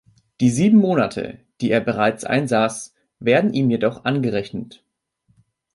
Die sieben Monate, die er bereits einsaß, werden ihm jedoch angerechnet.